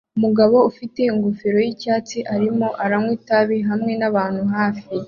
Umugabo ufite ingofero yicyatsi arimo aranywa itabi hamwe nabantu hafi